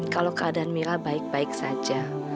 kalau keadaan mira baik baik saja